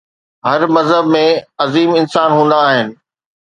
هر مذهب ۾ عظيم انسان هوندا آهن.